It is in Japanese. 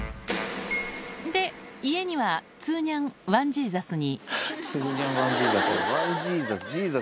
で、家には、ツーニャン、ワンジーザスに。